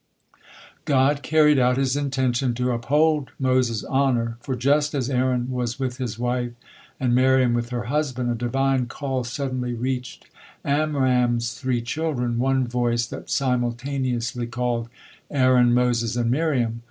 God carried out His intention to uphold Moses' honor, for just as Aaron was with his wife and Miriam with her husband, a Divine call suddenly reached Amram's three children, one voice that simultaneously called, "Aaron!" "Moses!" and "Miriam!"